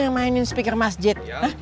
yang mainin speaker masjid